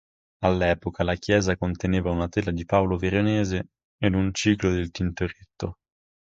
All'epoca, la chiesa conteneva una tela di Paolo Veronese ed un ciclo del Tintoretto.